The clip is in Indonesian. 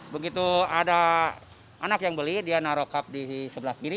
begitu ada anak yang beli dia naro cup di sebelah kiri